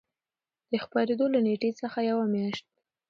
د خپرېدو له نېټې څخـه یـوه میاشـت